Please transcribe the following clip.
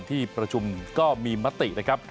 ที่ประชุมก็มีมตินะครับ